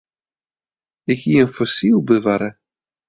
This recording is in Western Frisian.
Ik hie in fossyl bewarre.